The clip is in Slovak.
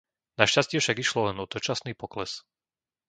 Našťastie však išlo len o dočasný pokles.